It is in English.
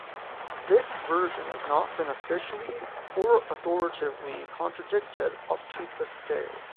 This version has not been officially or authoritatively contradicted up to this day.